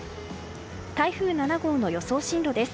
台風７号の予想進路です。